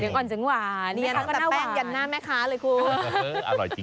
แม่ค้าก็หน้าตาแป้งยันหน้าแม่ค้าเลยครู